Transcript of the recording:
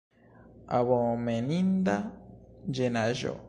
Abomeninda ĝenaĵo!